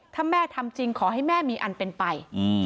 ถ้าแม่ทำจริงขอให้แม่มีอันเป็นไป